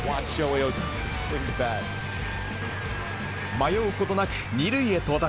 迷うことなく２塁へ到達。